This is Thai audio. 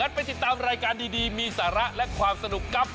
ไปติดตามรายการดีมีสาระและความสนุกกับ